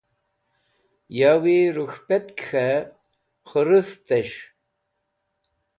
Yawi rũk̃hpetk̃hẽ khẽrũdhtẽs̃h.